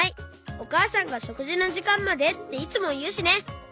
おかあさんが「しょくじのじかんまで」っていつもいうしね。